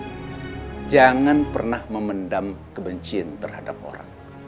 tapi jangan pernah memendam kebencian terhadap orang